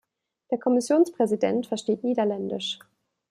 Der Kommissionspräsident versteht Niederländisch.